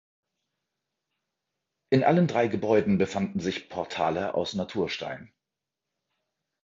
In allen drei Gebäuden befanden sich Portale aus Naturstein.